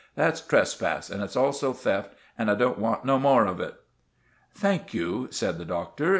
That's trespass and it's also theft, and I don't want no more of it." "Thank you," said the Doctor.